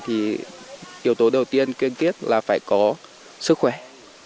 hiệu tố đầu tiên kiên kiết là phải có một trang trình du lịch leo núi